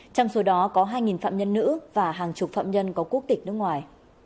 trong số đó có hai phạm nhân nữ và hàng chục phạm nhân có quốc tịch nước ngoài